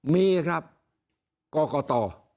มีครับกรกต